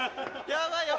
やばいよ。